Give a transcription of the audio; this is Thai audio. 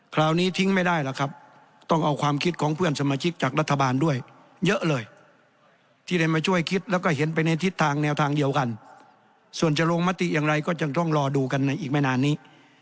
คราวนี้ทิ้งไม่ได้หรอกครับต้องเอาความคิดของเพื่อนสมาชิกจากรัฐบาลด้วยเยอะเลยที่ได้มาช่วยคิดแล้วก็เห็นไปในทิศทางแนวทางเดียวกันส่วนจะลงมติอย่างไรก็ยังต้องรอดูกันในอีกไม่นานนี้